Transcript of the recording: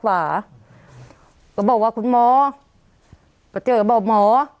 ก็บอกว่าคุณหมอไปเจอบอกหมอ